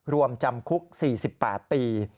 รวมจำคุก๔๘ปี